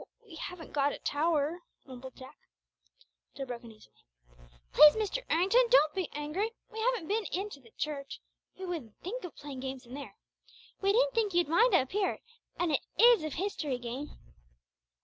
"We haven't got a tower," mumbled Jack. Jill broke in eagerly. "Please Mr. Errington don't be angry. We haven't been into the church. We wouldn't think of playing games in there. We didn't think you'd mind up here, and it is a history game."